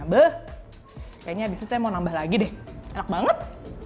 kayaknya abis itu saya mau nambah lagi deh enak banget